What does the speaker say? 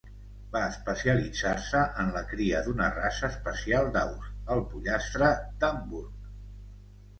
Va especialitzar-se en la cria d'una raça especial d'aus, el pollastre d'Hamburg.